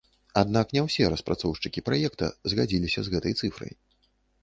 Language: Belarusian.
Аднак не ўсе распрацоўшчыкі праекта згадзіліся з гэтай цыфрай.